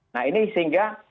nah ini sehingga